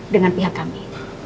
dengan pihak kami